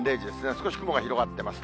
少し雲が広がってます。